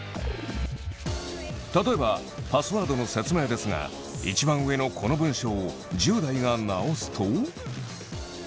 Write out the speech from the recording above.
例えばパスワードの説明ですが１番上のこの文章を１０代が直すと。